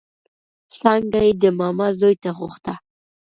څانګه يې د ماما زوی ته غوښته